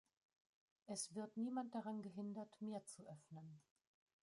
Es wird niemand daran gehindert, mehr zu öffnen.